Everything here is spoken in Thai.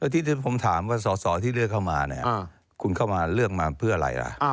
ที่ผมถามว่าสอสอที่เลือกเข้ามาเนี่ยคุณเข้ามาเลือกมาเพื่ออะไรล่ะ